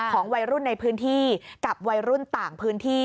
วัยรุ่นในพื้นที่กับวัยรุ่นต่างพื้นที่